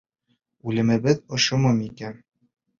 Үлемебеҙ ошомо икән?